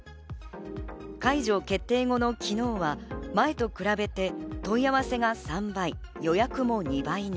解除決定後の昨日は前と比べて問い合わせが３倍、予約も２倍に。